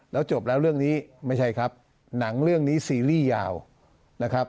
แล้วจบแล้วเรื่องนี้ไม่ใช่ครับหนังเรื่องนี้ซีรีส์ยาวนะครับ